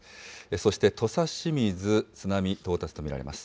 そして土佐清水、津波到達と見られます。